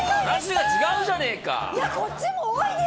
話が違うじゃねえか！